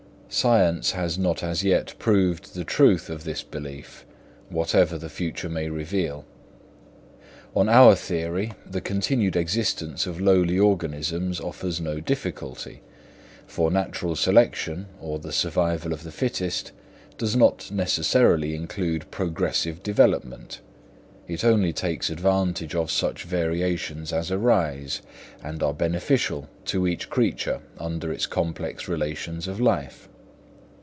Science has not as yet proved the truth of this belief, whatever the future may reveal. On our theory the continued existence of lowly organisms offers no difficulty; for natural selection, or the survival of the fittest, does not necessarily include progressive development—it only takes advantage of such variations as arise and are beneficial to each creature under its complex relations of life.